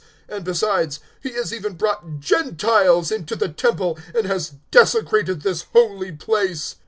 And besides, he has even brought Gentiles into the Temple and has desecrated this holy place."